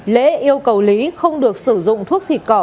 lễ yêu cầu lý không được sử dụng thuốc diệt cỏ